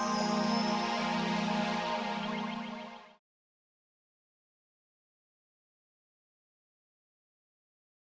janganlah ini untuk pertunjukan wargaaki satu orang